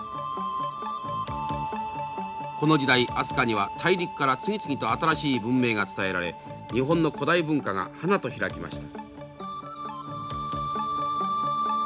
この時代飛鳥には大陸から次々と新しい文明が伝えられ日本の古代文化が華と開きました。